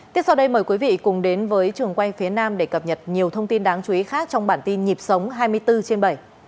tiếp sau đây mời quý vị cùng đến với trường quay phía nam để cập nhật nhiều thông tin đáng chú ý khác trong bản tin nhịp sống hai mươi bốn trên bảy